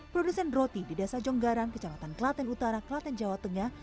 produsen roti di dasar jonggaran kejahatan kelaten utara kelaten jawa tengah